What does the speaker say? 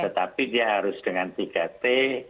tetapi dia harus dengan tiga t